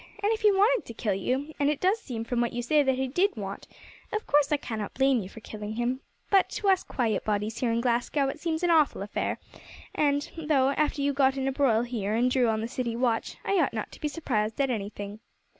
"And if he wanted to kill you, and it does seem from what you say that he did want, of course I cannot blame you for killing him; but to us quiet bodies here in Glasgow it seems an awful affair; though, after you got in a broil here and drew on the city watch, I ought not to be surprised at anything."